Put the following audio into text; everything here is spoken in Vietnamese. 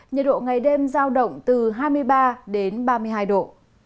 nhiệt độ ngày đêm giao động từ hai mươi ba đến ba mươi hai độ